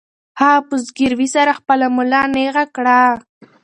هغې په زګیروي سره خپله ملا نېغه کړه.